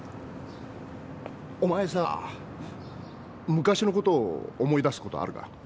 昔のことを思い出すことあるか？